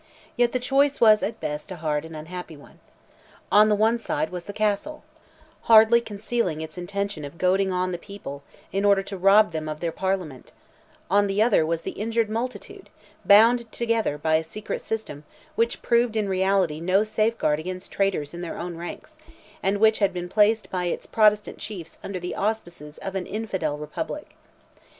Yet the choice was at best a hard and unhappy one. On the one side was the Castle, hardly concealing its intention of goading on the people, in order to rob them of their Parliament; on the other was the injured multitude, bound together by a secret system which proved in reality no safeguard against traitors in their own ranks, and which had been placed by its Protestant chiefs under the auspices of an infidel republic.